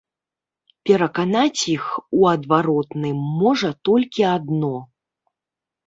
Пераканаць іх у адваротным можа толькі адно.